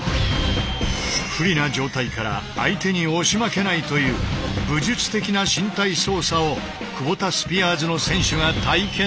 不利な状態から相手に押し負けないという武術的な身体操作をクボタスピアーズの選手が体験する。